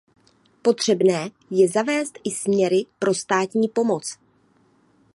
Potřebné je zavést i směry pro státní pomoc.